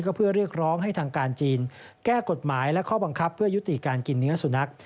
ก็เพื่อเรียกร้องให้ทางการจีนแก้กฎหมายและข้อบังคับเพื่อยุติการกินเนื้อสุนัข